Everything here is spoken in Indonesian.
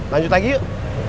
lanjut lagi yuk